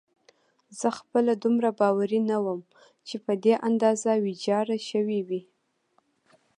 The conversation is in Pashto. زه خپله دومره باوري نه وم چې په دې اندازه ویجاړه شوې وي.